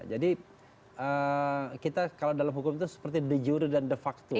jadi kita kalau dalam hukum itu seperti de jure dan de facto ya